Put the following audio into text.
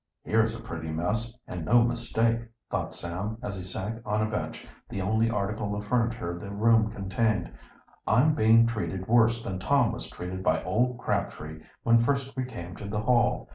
"Here's a pretty mess, and no mistake," thought Sam, as he sank on a bench, the only article of furniture the room contained. "I'm being treated worse than Tom was treated by old Crabtree when first we came to the Hall.